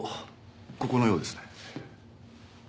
ここのようですね。